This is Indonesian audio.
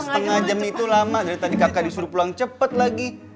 setengah jam itu lama dari tadi kakak disuruh pulang cepat lagi